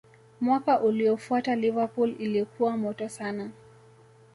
mwaka uliofuata Liverpool ilikuwa moto sana